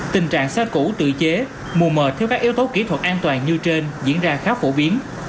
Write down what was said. tình trạng xe cũ tự chế mù mờ theo các yếu tố kỹ thuật an toàn như trên diễn ra khá phổ biến